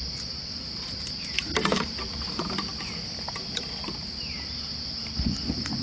นี่สองชั้นนั้นชั้นจะคุ้มมัน